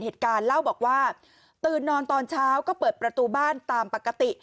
เหตุการณ์เล่าบอกว่าตื่นนอนตอนเช้าก็เปิดประตูบ้านตามปกติ